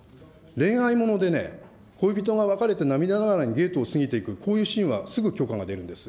恋愛ものでね、恋人が別れて涙ながらにゲートを過ぎていく、こういうシーンは、すぐ許可が出るんです。